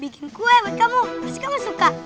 bikin kue buat kamu pasti kamu suka